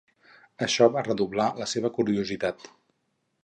Això va redoblar la seva curiositat.